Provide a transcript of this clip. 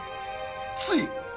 つい